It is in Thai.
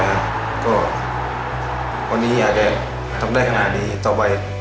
แต่ก่อนตอนเด็กเราไม่ค่อยอาบน้ำ